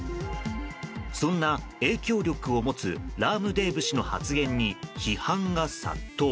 そんな影響力を持つラームデーブ氏の発言に批判が殺到。